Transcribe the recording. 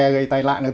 gây tai lạng